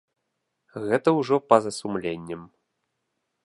Гэта ўжо па-за сумленнем.